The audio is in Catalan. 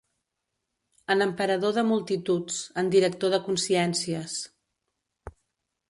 En emperador de multituds, en director de consciències…